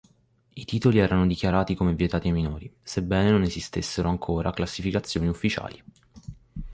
I titoli erano dichiarati come vietati ai minori, sebbene non esistessero ancora classificazioni ufficiali.